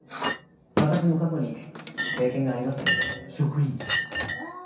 私も過去に経験がありましてね。